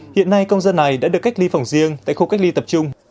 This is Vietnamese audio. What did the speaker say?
hiện nay công dân này đã được cách ly phòng riêng tại khu cách ly tập trung